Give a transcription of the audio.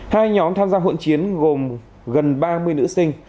hai nhóm tham gia hỗn chiến gồm gần ba mươi nữ sinh